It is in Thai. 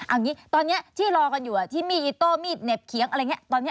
อ่ะงี้ตอนนี้ที่รอกันอยู่ที่มีอิตโต้มีดเหน็บเขียงอะไรอย่างงี้